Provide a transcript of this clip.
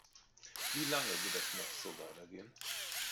Wie lange wird das noch so weitergehen?